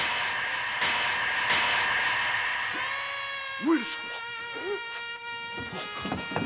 上様⁉